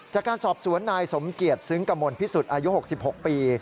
จากการสอบสวนนายสมเกียจซึ้งกระมวลพิสุทธิ์อายุ๖๖ปี